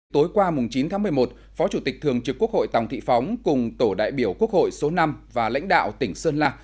tối qua chín tháng một mươi một phó chủ tịch thường trực quốc hội tòng thị phóng cùng tổ đại biểu quốc hội số năm và lãnh đạo tỉnh sơn la